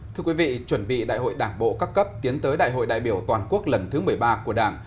thưa quý vị chuẩn bị đại hội đảng bộ các cấp tiến tới đại hội đại biểu toàn quốc lần thứ một mươi ba của đảng